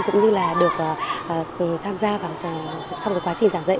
cũng như là được tham gia vào trong quá trình giảng dạy